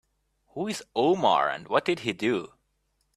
Who is Omar and what did he do?